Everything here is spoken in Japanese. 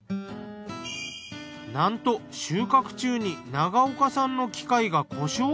なんと収穫中に長岡さんの機械が故障！